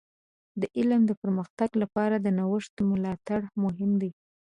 د علم د پرمختګ لپاره د نوښت ملاتړ مهم دی.